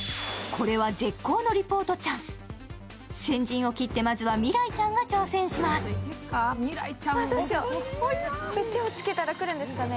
先陣を切って、まずは未来ちゃんが挑戦します。